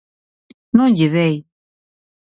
Non lle dei.